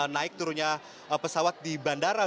naik turunnya pesawat di bandara